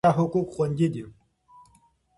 په اسلامي نظام کې د هر چا حقوق خوندي دي.